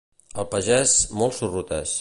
El pagès, molt sorrut és.